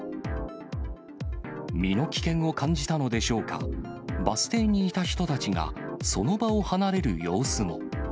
身の危険を感じたのでしょうか、バス停にいた人たちがその場を離れる様子も。